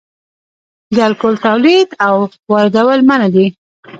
د الکول تولید او واردول منع دي